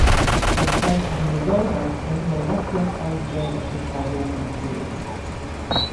Kad karš bija zaudēts, Eino Rahja aizbēga uz Padomju Krieviju.